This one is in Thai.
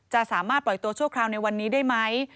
จะสามารถปล่อยตัวชั่วคราวในวันนี้ได้ไหม